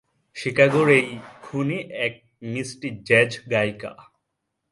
শিকাগোর এই খুনি এক মিষ্টি জ্যাজ গায়িকা।